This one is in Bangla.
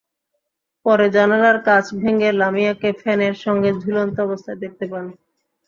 পরে জানালার কাচ ভেঙে লামিয়াকে ফ্যানের সঙ্গে ঝুলন্ত অবস্থায় দেখতে পান।